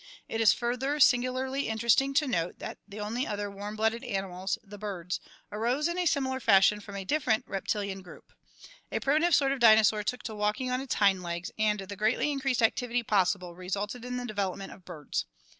It is further singularly interesting to note that the only other warm blooded animals, the birds, arose in a similar fashion from a different reptilian group. A primitive sort of dinosaur took to walking on its hind legs, and the greatly increased activity possible resulted in the development of birds.